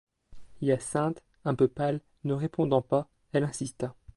Hyacinthe, un peu pâle, ne répondant pas, elle insista.